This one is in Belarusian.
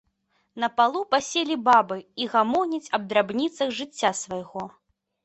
На палу паселі бабы і гамоняць аб драбніцах жыцця свайго.